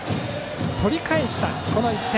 取り返した、この１点。